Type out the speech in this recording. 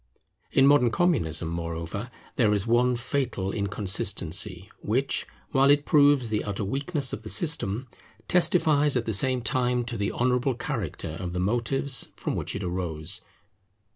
In modern Communism, moreover, there is one fatal inconsistency, which while it proves the utter weakness of the system, testifies at the same time to the honourable character of the motives from which it arose.